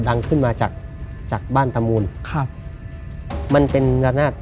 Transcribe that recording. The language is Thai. มันมีเหตุการณ์แปลกอยู่